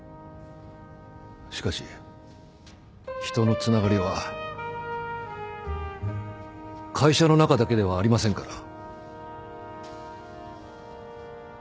しかし人のつながりは会社の中だけではありませんから。